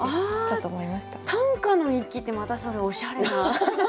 短歌の日記ってまたそれおしゃれな。